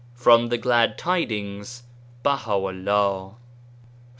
From "The Glad Tidings," Baha'u'llah.